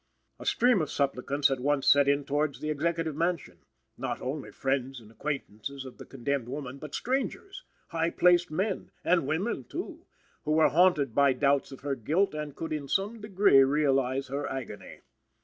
A stream of supplicants at once set in towards the Executive Mansion not only friends and acquaintances of the condemned woman, but strangers, high placed men, and women too, who were haunted by doubts of her guilt and could in some degree realize her agony.